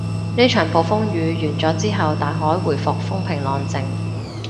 呢場暴風雨完咗之後，大海回復風平浪靜